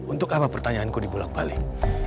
untuk apa pertanyaanku dibulak balik